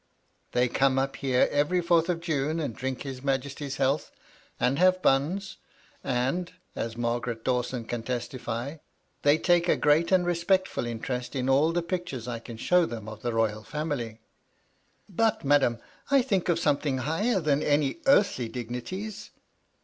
They come up here every fourth of June, and drink his Majesty's health, and have buns, and (as Margaret Dawson can testify) they take a great and respectful interest in all the pictures I can show them of the Royal family." " But, madam, I think of something higher than any earthly dignities."